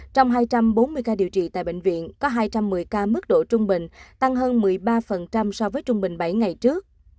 trong hai trăm bốn mươi ca điều trị tại bệnh viện có hai trăm một mươi ca mức độ trung bình tăng hơn một mươi ba so với trung bình bảy ngày trước